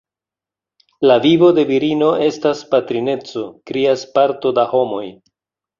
La vivo de virino estas patrineco, krias parto da homoj.